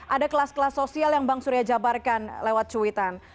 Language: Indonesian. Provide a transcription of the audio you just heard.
ada kelas kelas sosial yang bang surya jabarkan lewat cuitan